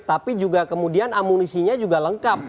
tapi juga kemudian amunisinya juga lengkap